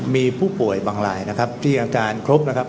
มีผู้ป่วยบางรายนะครับที่อาการครบนะครับ